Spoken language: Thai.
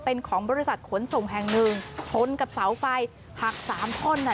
เป็นของบริษัทขนส่งแห่งหนึ่งชนกับเสาไฟหักสามท่อนอ่ะ